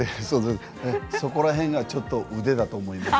そこら辺がちょっと腕だと思います。